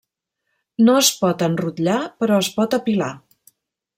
No es pot enrotllar però es pot apilar.